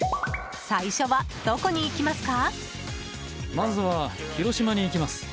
最初はどこに行きますか？